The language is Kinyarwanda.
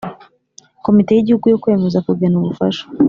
Komite y Igihugu yo kwemeza kugena ubufasha